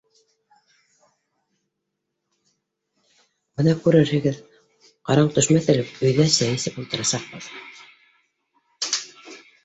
Бына күрерһегеҙ, ҡараңғы төшмәҫ элек өйҙә сәй эсеп ултырасаҡбыҙ.